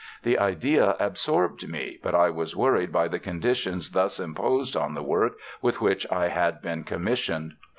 The idea absorbed me, but I was worried by the conditions thus imposed on the work with which I had been commissioned.